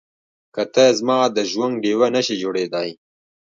که ته زما د ژوند ډيوه نه شې جوړېدای.